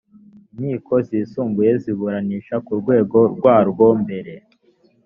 inkiko zisumbuye ziburanisha ku rwego rwa rwo mbere